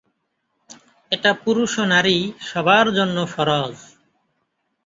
এটা পুরুষ ও নারী সবার জন্য ফরজ।